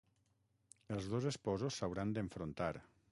Els dos esposos s'hauran d'enfrontar.